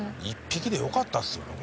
１匹でよかったですよね